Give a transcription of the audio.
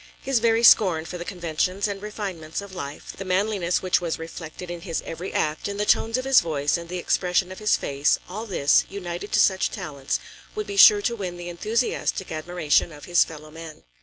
His very scorn for the conventions and refinements of life, the manliness which was reflected in his every act, in the tones of his voice and the expression of his face, all this, united to such talents, would be sure to win the enthusiastic admiration of his fellow men.